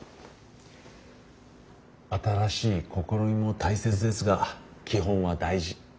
新しい試みも大切ですが基本は大事。